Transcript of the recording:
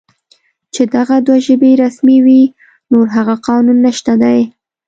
چې دغه دوه ژبې رسمي وې، نور هغه قانون نشته دی